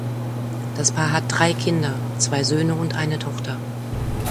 Das Paar hat drei Kinder, zwei Söhne und eine Tochter.